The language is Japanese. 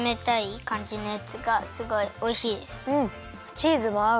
チーズもあう！